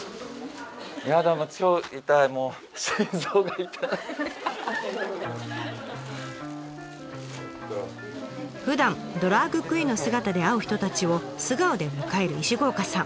嫌だもうふだんドラァグクイーンの姿で会う人たちを素顔で迎える石郷岡さん。